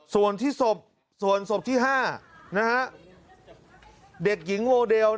ส่วนที่ศพส่วนศพที่ห้านะฮะเด็กหญิงโวเดลเนี่ย